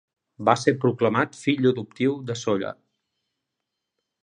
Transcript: Va ser proclamat Fill Adoptiu de Sóller.